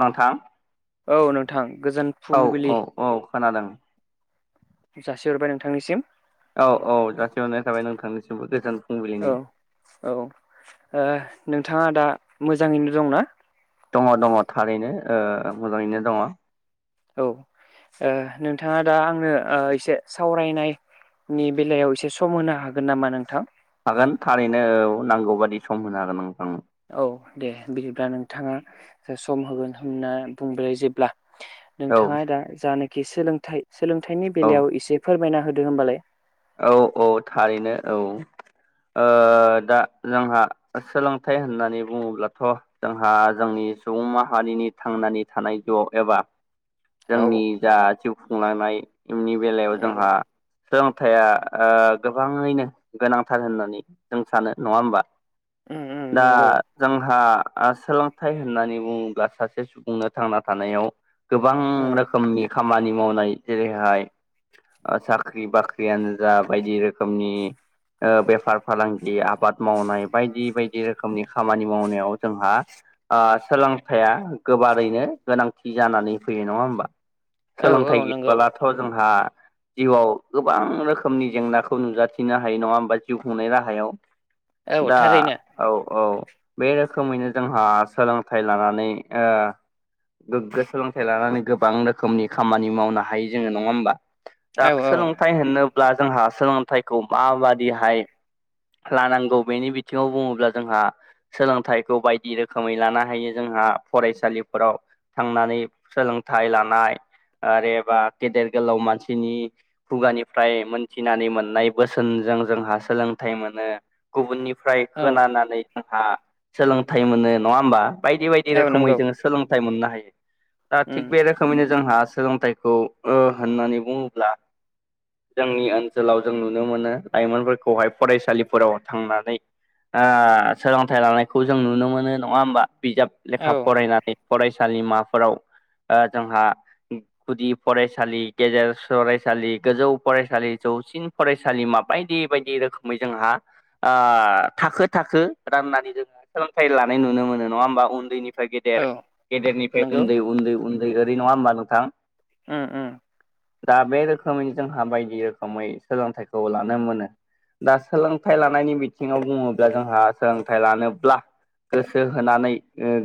नोंथां औ नोंथां गोजोन औ फुंबिलि औ औ खोनादों जासिहरबाय नोंथांनिसिम औ औ जासिहरनाय थाबाय नोंथांनिसिमबो गोजान औ फुंबिलिनि औ ओ नोंथाङा दा मोजाङैनो दंना? दङ दङ थारैनो मोजाङैनो दङ औ नोंथाङा दा आंनो एसे सावरायनाय नि बेलायाव एसे सम होनो हागोन नामा नोंथां हागोन थारैनो औ नांगौबादि सम होनो हागोन नोंथां औ दे बिदिब्ला नोंथाङा सम होगोन होनना बुंबाय जेब्ला औ नोंथाङा दा जानाखि सोलोंथाय सोलोंथाइनि औ बेलायाव एसे फोरमायना होदों दो होनोमबालाय औ औ थारैनो औ ओ दा जोंहा सोलोंथाइ होननानै बुङोब्लाथ' जोंहा जोंनि सुबुं माहारिनि थांनानै थानाय ज' एबा औ जोंनि जा जिउ खुंलांनायनि बेलायाव औ जोंहा सोलों थाया गोबाङैनो गोनांथार होननानै जों सानो नङा होमबा उम उम दा नंगौ जोंहा सोलोंथाइ होननानै बुङोब्ला सासे सुबुंनो थांना थानायाव गोबां उम रोखोमनि खामानि मावनाय जेरैहाय साख्रि बाख्रि यानो जा बायदि रोखोमनि बेफार फालांगि आबाद मावनाय बायदि बायदि रोखोमनि खामानि मावनायाव जोंहा सोलोंथाइया गोबारैनो गोनांथि जानानै फैयो नङा होनबा औ औ सोलोंथाइ नंगौ गैयालाथ' जोंहा जिउआव गोबां रोखोमनि जेंनाखौ नुजाथिनो हायो नङा होमबा जिउ खुंनाय राहायाव औ दा थारैनो औ औ। बे रोखोमैनो जोंहा सोलोंथाइ लानानै गोग्गो सोलोंथाइ लानानै गोबां रोखोमनि खामानि मावनो हायो जोङो नङा होमबा? दा औ औ सोलोंथाइ होनोब्ला जोंहा सोलोंथाइखौ माबादिहाय लानांगौ बेनि बिथिङाव बुङोब्ला जोंहा सोलोंथाइखौ बायदि रोखोमै लानो हायो जों जोंहा फरायसालिफोराव थांनानै सोलोंथाइ लानाय आरोबा गेदेर गोलाव मानसिनि खुगानिफ्राय मोनथिनानै मोननाय बोसोनजों जोंहा सोलोंथाइ मोनो गुबुननि। औ खोनानानै जोंहा सोलोंथाइ मोनो नङा होमबा बायदि बायदि औ रोखोमै नंगौ जों सोलों मोननो हायो दा उम थि बे रोखोमैनो जोंहा सोलोंथाइखौ होननानै बुङोब्ला। जोंनि ओनसोलाव जों नुनो मोनो लाइमोनफोरखौहाय फरायसालिफोराव थांनानै। सोलोंथाइ लानायखौ जों नुनो मोनो नङा होमबा बिजाब लेखा औ फरायनानै। फरायसालिमाफोराव ओ जोंहा गुदि फरायसालि गेजेर फरायसालि गोजौ फरायसालि जौसिन फरायसालिमा बायदि बायदि रोखोमै जोंहा। ओ थाखो थाखो राननानै जोङो सोलोंथाइ लानाय नुनो मोनो नङा होमबा उन्दैनि गेदेर औ गेदेरनिफ्राय नंगौ उन्दै उन्दै उन्दै ओरै नङा होमबा नोंथां उम उम दा बे रोखोमै जोंहा बायदि रोखोमै सोलोंथाइखौ लानो मोनो। दा सोलोंथाइ लानायनि बिथिङाव बुङोब्ला जोंहा सोलोंथाइ लानोब्ला गोसो होनानै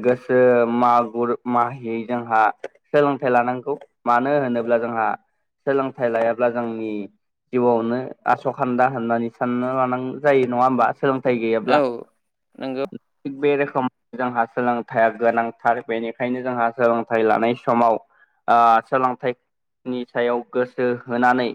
गोसो मागुर माहियै जोंहा सोलोंथाइ लानानै। लानांगौ मानो होनोब्ला जोंहा सोलोंथाइ लायाब्ला जोंनि। जिउआवनो आस' खान्दा होननानै साननो लानां जायो नङा होमबा। सोलोंथाइ औ गैयाब्ला नंगौ बे रोखोम। सम जोंहा सोलोंथाइया गोनांथार बेनिखायनो जोंहा सोलोंथाइ लानाय समाव। ओ सोलोंथाइनि सायाव गोसो। गोसो होनानै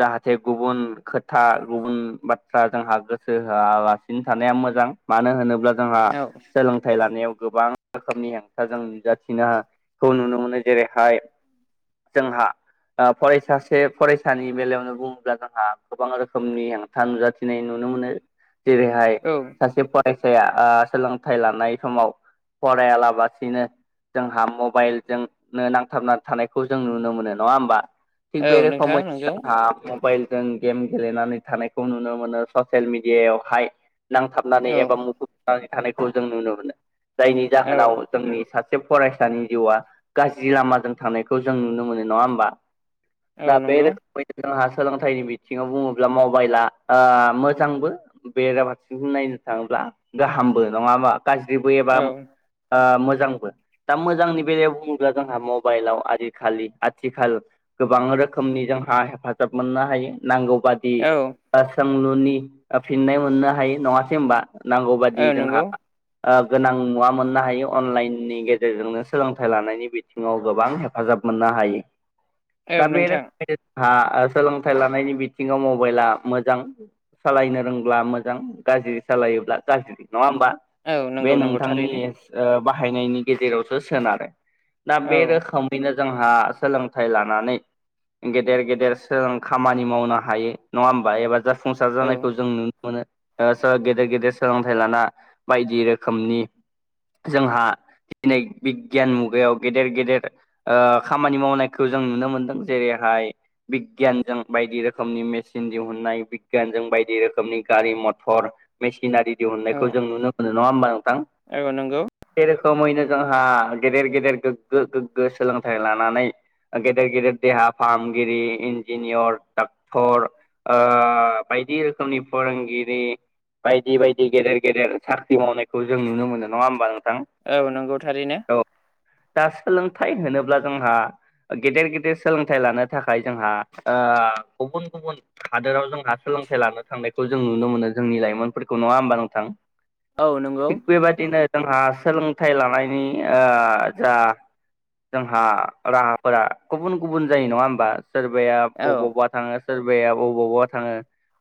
जाहाथे गुबुन खोथा गुबुन बाथ्रा जोंहा गोसो होआ। सिनो थानाया मोजां मानो होनोब्ला जोंहा औ सोलोंथाइ लानायाव। गोबां रोखोमनि हेंथाजों नुजाथिनोखौ नुनो मोनो जेरैहाय। जोंहा ओ फरायसा सासे फरायसानि बेलायावनो बुङोब्ला जोंहा गोबां रोखोमनि हेंथा नुजाथिनाय नुनो मोनो। जेरैहाय औ सासे फरायसाया ओ सोलोंथायाइ लानाय समाव फरायला बासिनो जोंहा मबाइलजोंनो नांथाबना थानायखौ जों नुनो मोनो नङा होमबा थिग औ बेरे नोंथां नंगौ जोंहा मबाइल। जों गेम गेलेनानै थानायखौ नुनो मोनो ससियेल मिडियायावहाय नांथाबनानै औ एबा मुखुबनानै थानायखौ जों नुनो मोनो जायनि जाहोनाव औ जोंनि सासे फरायसानि जिउआ गाज्रि लामाजों थांनायखौ जों नुनो मोनो नङा होमबा? दा औ बे नंगौ रोखोमै जोंहा सोलोंथाइनि बिथिङाव बुङोब्ला मबाइला ओ मोजांबो बेराफारसें नायनो थाङोब्ला। गाहामबो नङाबा गाज्रिबो औ एबा ओ मोजां। मोजांबो दा मोजांनि बेलायाव बुङोब्ला जोंहा मबाइलाव आजिखालि आथिखाल गोबां रोखोमनि जोंहा हेफाजाब मोननो हायो नांगौ बादि औ ओ सोंलु नि फिननाय मोननो हायो नङासै होनबा नांगौ बाददि औ जोंहा। नंगौ गोनां नुवा मोननो हायो अनलाइननि गेजेरजोंनो सोलोंथाइ लानायनि बिथिङाव गोबां हेफाजाब। मोननो हायो औ दा बे नोंथां रोखोमनि हा सोलोंथाइ लानायनि बिथिङाव मबाइला मोजां। सालायनो रोंब्ला मोजां गाज्रि सालायोब्ला गाज्रि। नङा होमबा औ नंगौ बे नंगौ नोंथांनि थारैनो ओ बाहायनायनि गेजेरावसो सोनारो दा बे औ रोखोमैनो जोंहा सोलोंथाइ लाना नै गेदेर गेदेर सोर खामानि मावनो हायो नङा होमबा एबा ज फुंसार औ जानायखौ जों नुनो मोनो गेदेर गेदेर सोलोंथाइ लाना बायदि रोखोमनि जोंहा दिनै बिगियान मुगायाव गेदेर गेदेर ओ खामानि मावनायखौ जों नुनो मोनदों जेरैहाय बिगियानजों बायदि रोखोमनि मेसिन दिहुनाय बिगियानजों बायदि रोखोमनि गारि मथर मेसिनारि औ दिहुननायखौ जों नुनो मोनो नङा होमबा नोंथां औ नंगौ बे रोखोमैनो जोंहा गेदेर गेदेर गोग्गो गोग्गो सोलोंथाइ लानानै गेदेर गेदेर देहा फाहामगिरि इन्जिनियर डाक्टर ओ बायदि रोखोमनि फोरोंगिरि बायदि बायदि गेदेर गेदेर साख्रि मावनायखौ जों नुनो मोनो नङा होमबा नों दां औ नंगौ थारैनो औ दा सोलोंथाइ होनोब्ला जोंहा गेदेर गेदेर सोलोंथाइ लानो थाखाय जोंहा ओ गुबुन गुबुन हादोराव जों नोंहा सोलोंथाइ लानो थांनायखौ जों नुनो मोनो जोंनि लाइमोनफोरखौ नङा होमबा नोंथां औ नंगौ थिक बेबायदिनो जोंहा सोलोंथाइ लानायनि ओ जा जोंहा राहा फोरा गुबुन गुबुन जायो नङा होमबा सोरबाया औ बबावबा थाङो सोरबाया बबावबा थाङो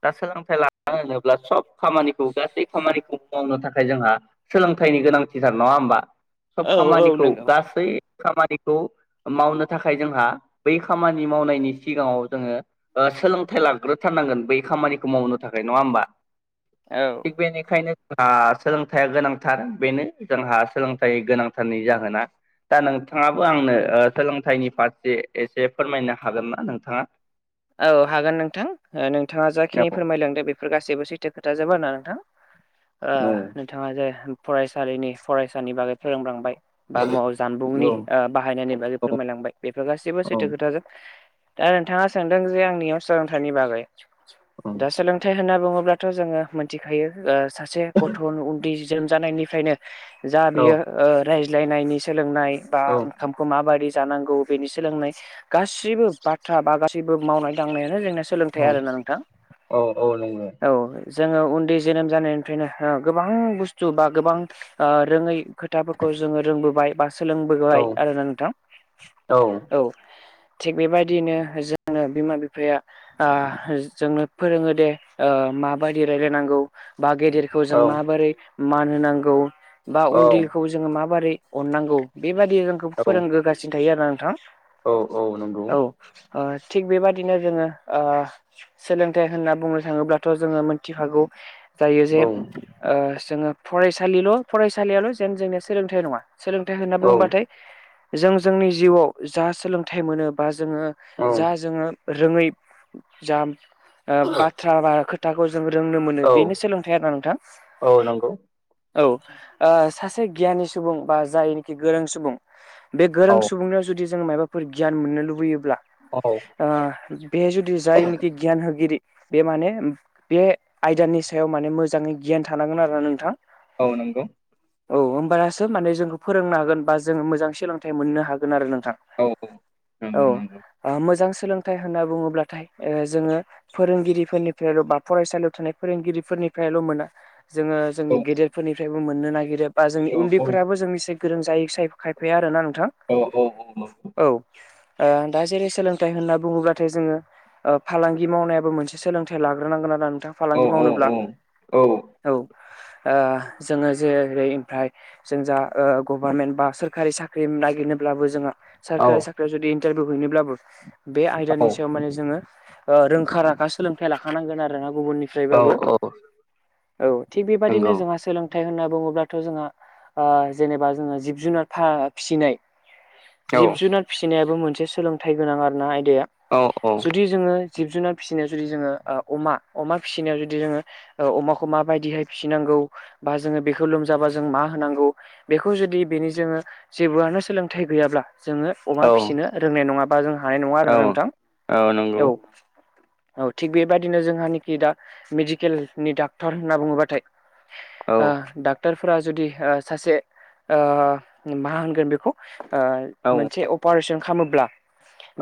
दा सोलोंथाइ लानो होनोब्ला सब खामानिखौ गासै खामानिखौ मावनो थाखाय जोंहा सोलोंथाइ गोनांथिथार नङा होमबा सब औ औ खामानिखौ नंगौ गासै खामानिखौ मावनो नि थाखाय जोंहा बै खामानि मावनायनि सिगाङाव जोङो सोलोंथाइ लाग्रोथारनांगोन बै खामानिखौ मावनो थाखाय नङा होमबा औ थिग बेनिखायनो हा सोलोंथाइया गोनांथार बेनो जोंहा सोलोंथाइ गोनांथारनि जाहोना दा नोंथाङाबो आंनो ओ सोलोंथाइनि फारसे एसे फोरमायनो हागोन ना नोंथाङा औ हागोन नोंथां नोंथाङा जाखिनि औ फोरमायलांदो बेफोर गासिबो जबो सैथो खोथा जाबाया नोंथां औ नोंथाङा जे फरायसालिनि फरायसानि बागै फोरोंलांबाय बा माव जानबुंनि औ बाहायनायनि बागै फोरमायलांबाय बेफोर गासैबो औ सैथो खोथाजों दा नोंथाङा सोंदों जे आंनियाव सोलोंथाइनि बागै दा सोलोंथाइ होनना बुङोब्लाथ' जोङो मिथिखायो ओ सासे गथ' उन्दै जोनोम जानायनिफ्रायनो जा बियो ओ रायज्लायनायनि सोलोंनाय बा औ ओंखामखौ माबायदि जानांगौ बेनि सोलोंनाय गासिबो बाथ्रा बा गासिबो मावनाय दांनायानो जों सोलोंथाइ आरोना नोंथां औ जोङो उन्दै जोनोम जानायनिफ्रायनो गोबां बुस्थु बा गोबां ओ रोङै खोथाफोरखौ जोङो रोंबोबाय बा सोलोंबोबाय आरोना नोंथां औ थिग बेबायदिनो जों बिमा बिफाया ओ जोंनो फोरोङो दे ओ माबायदि रायलायनांगौ बा गेदेरखौ जों माबोरै मान होनांगौ बा उन्दैखौ जोङो माबोरै अननांगौ बेबादि जोंखौ फोरोंबोगासिनो थायो आरो ना नोंथां औ औ नंगौ थिग बेबादिनो जोङो ओ सोलोंथाइ होनना बुंनो थाङोब्लाथ' जोङो मोनथिखागौ जायो जे औ ओ जोङो फरायसालिल' फरायसालियाल' जेन जोंनिया सोलोंथाइ नङा सोलोंथाइ होनना औ बुंबाथाय जों जोंनि जिउआव जा सोलोंथाइ मोनो बा जोङो औ जा जोङो रोङै जा बाथ्रा बा खोथाखौ जों रोंनो मोनो औ बेनो सोलोंथाइ आरो ना नोंथां औ नंगौ औ सासे ओ गियानि सुबुं बा जायनिखि गोरों सुबुं बे औ गोरों सुबुंनायाव जुदि जों माबाफोर गियान मोननो लुबैयोब्ला औ औ बेहाय जुदि जायनोखि गियान होगिरि बे माने बे आयदानि सायाव माने मोजाङै गियान गियान थानांगोन आरो ना नोंथां औ नंगौ औ नंगौ औ होमबासो माने जोंखौ फोरोंनो हागोन बा जों मोजां सोलोंथाइ मोननो हागोन आरो नों औ औ नंगौ नंगौ ओ मोजां सोलोंथाइ होनना बुङोब्लाथाय ओ जोङो फोरोंगिरिफोरनिफ्रायल' बा फरायसालियाव थानाय फोरोंगिरि गिरिफोरनिफ्रायल' मोना जोङो जोंनि गेदेरफोरनिफ्रायबो मोननो नागिरो बा जोंनि औ उन्दैफोराबो जों गोरों जायो खायफाया आरोना नोंथां औ दा जेरै सोलोंथाइ होनना बुङोबाथाय जोङो फालांगि मावनायाबो मोनसे सोलोंथाइ लाग्रोनांगोन औ फालांगि मावनोब्ला औ औ ओ जोङो जै ओमफ्राय जों जा ओ गभारनमेन्ट बा सोरखारि साख्रि नागिरनोब्लाबो जोंहा सारकारि औ साख्रियाव जुदि इन्टारभिउ हैनोब्लाबो बे औ आयदानि सायाव माने जोङो रोंखा राखा सोलोंथाइ लाखानांगोन आरोना औ गुबुननिफ्रायबाबो औ थिग बेबायदिनो नंगौ जोंहा सोलों थाय होनना बुङोब्लाथ' जोंहा जेनेबा जोङो जिब जुनार फिसिनाय औ जिब जुनार फिसिनायाबो मोनसे सोलोंथाइ गोनां आरोना आयदाया औ जुदि जोङो जिब जुनार फिसिनायाव जुदि जोङो ओ अमा अमा फिसिनायाव जुदि जोङो अमाखौ माबायदिहाय फिसिनांगौ बा जोङो बेखौ लोमजाबा जों मा होनांगौ बेखौ जुदि बेनि जोङो जेबोआनो सोलों थाइ गैयाब्ला जोङो अमा औ फिसिनो रोंनाय नङा बा जों हानाय नङा औ आरोना नोंथां औ नंगौ औ औ थिग बेबायदिनो जोंहानिखि दा मेडिकेलनि डाक्टर होनना बुङोबाथाय औ ओ डाक्टरफोरा जुदि सासे ओ मा होनगोन बेखौ ओ औ नंगौ औ मोनसे अपारेशन खालामोब्ला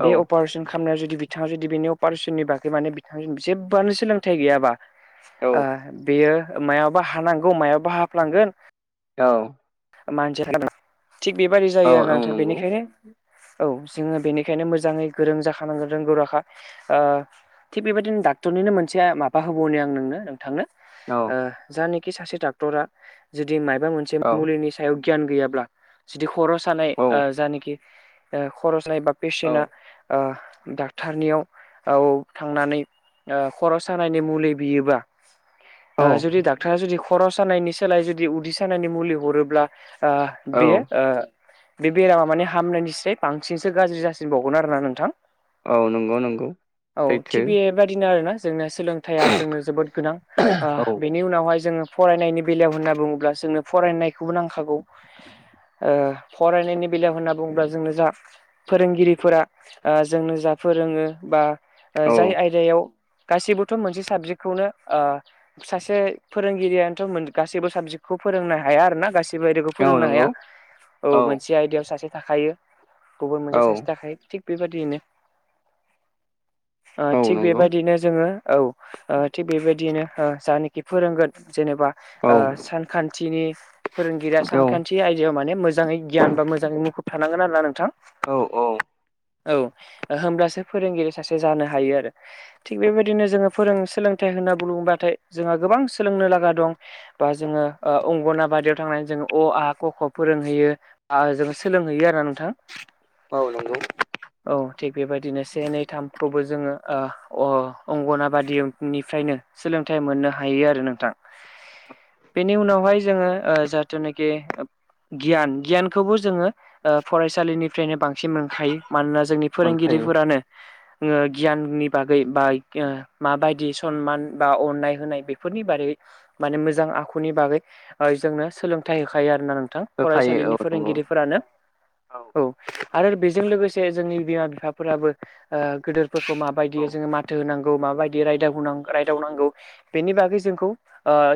बे अपारेशन खालामनाया जुदि बिथाङा जुदि बेनि अपारेसननि बागै माने बिथां जेबोनो सोलोंथाइ गैयाबा ओ बेयो मायाबा हानांगौ मायाबा हाफ्लांगोन औ मानसि थिग बेबादि जायो औ आरो ना नोंथां बेनिखायनो औ जोङो बेनिखायनो मोजाङै गोरों जाखानांगोन रोंगौ राखा थिग बेबायदिनो डक्टरनिनो मोनसे माबा होबावनि आं नोंनो नोंथांनो जानखि सासे डक्टरा जुदि माबा मोनसे मुलिनि सायाव गियान गैयाब्ला जुदि खर सानाय जायानखि खर सानाय ब औ पेसेन्टआ डाक्टरनियाव औ थांनानै खर सानायनि मुलि बियोबा जुदि डाक्टरा जुदि खर सानायनि सोलायै जुदि उदै सानायनि मुलि हरोब्ला बेयो बे बेरामा माने हामनायनिस बांसिनसो गाज्रि जासिबावगोन आरोना नोंथां औ नंगौ नंगौ औ सैथो थिग बेबायाददिनो आरोना जोंना सोलोंथाइया जोंनो जोबोद गोनां औ बेनि उनावहाय जोङो फरायनायनि बेलायाव होनना बुङोब्ला जोंनो फरायनायखौबो नांखागौ फरायनायनि बेलायाव होनना बुङोब्ला जोंनो जा फोरोंगिरिफोरा जोंनो जा फोरोङो बा औ जाय आयदायाव गासैबोथ मोनसे साबजेक्टखौनो सासे फोरोंगिरियानोथ गासैबो साबजेक्ट खौ फोरोंनो हाया आरो ना गाससिबो औ फोरोंनो नंगौ हाया औ मोनसे आयदायाव सासे थाखायो गुब औ थाखाय थिग बेबायाददियनो औ थिग नंगौ बेबायदिनो जोङो औ थिग बेबायदियनो जानाखि फोरोंगोन जेनेबा औ सानखान्थिनि फोरोंगिरिया औ सानखान्थि आयदायाव माने मोजाङै गियान बा मोजाङै मुखुब थानांगोन आरो ना नोंथां औ औ होनोमब्लासो फोरोंगिरि सासे जानो हायो आरो थिग बेबायदिनो जोङो फोरों सोलोंथाइ होनना बुंङोबाथाय जोंहा गोबां सोलोंनो लागा दं बा जोङो अंगन बादियाव थांनानै जों अ आंहा क ख फोरोंहैयो ओजों सोलोंहैयो आरो नोंथां औ नंगौ औ थिग बेबायदिनो से नै थामखौबो जोङो अ अंगनाबादिनिफ्रायनो सोलोंथाइ मोननो हायो आरो नोंथां बेनि उनावहाय जोङो जाहाथुनाखि गियान गियानखौबो जोङो फरायसालिनिफ्रायनो बांसिन मोनखायो मानोना जोंनि मोनखायो फोरोंगिरिफोरानो गियाननि बागै बा माबायदि सनमान बा अननाय होनाय बेफोरनि बागै माने मोजां आखुनि बागै जोंनो सोलोंथाइ होखायो आर ना नोंथां होखायो फरायसालिनि औ नंगौ फोरोंगिरिफोरानो औ आरो बेजों लोगोसे जोंनि बिमा बिफाफोराबो गेदोरफोरखौ माबायदियै औ जोङो माथो होनांगौ माय रायदावनांगौ बेनि बागै जोंखौ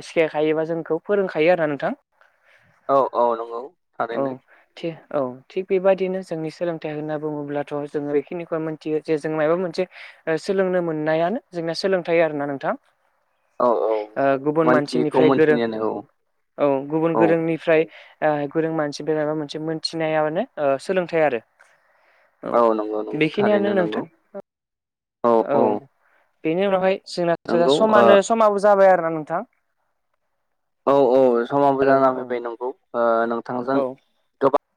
सिखायखायोबा जोंखौ फोरों नोंथां औ औ नंगौ थारैनो औ औ थि बेबदिनो जोंनि सोलोंथाइ होन्ना बुङोब्लाथ जोङो बेखिनिखौ मिथियो जे जों माबा मोनसे सोलोंनो मोननाया जोंना सोलोंथायाइ आरोना नोंथां औ औ गुबुन मानथियैखौ मानसिनिफ्राय गोरों मोनथिनायानो औ औ गुबुन औ गोरोंनिफ्राय गोरों मानसि बेाबा मोनसे मोनथिनायाानो सोलोंथाइ आरो औ नंगौ नंगौ बेखिनियानो थारैनो नंगौ नोंथां औ बेनि उनावहाय जोंना नंगौ समानो समाबो जाबाय आरो ना नोंथां औ औ समाबो हेलौ जाना औ फैबाय नोंगौ औ नोंथांजों